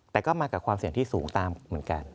แต่ก็มากับความเสี่ยงที่สูงตามเหมือนกัน